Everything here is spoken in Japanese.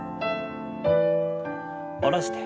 下ろして。